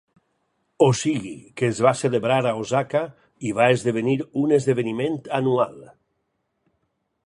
O sigui que es va celebrar a Osaka i va esdevenir un esdeveniment anual.